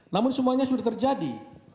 namun semuanya sudah terjadi